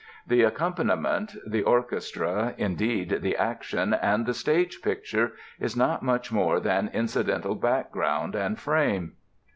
The accompaniment, the orchestra, indeed the "action" and the stage picture is not much more than incidental background and frame.